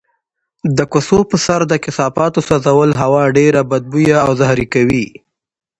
د کوڅو په سر د کثافاتو سوځول هوا ډېره بدبویه او زهري کوي.